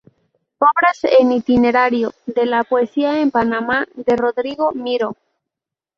Obras en Itinerario de la poesía en Panamá, de Rodrigo Miró